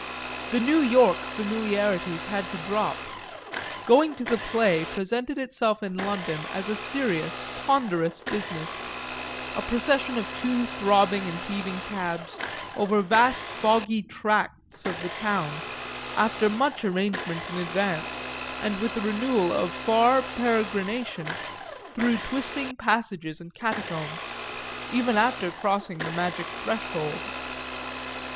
The New York familiarities had to drop; going to the play presented itself in London as a serious, ponderous business: a procession of two throbbing and heaving cabs over vast foggy tracts of the town, after much arrangement in advance and with a renewal of far peregrination, through twisting passages and catacombs, even after crossing the magic threshold.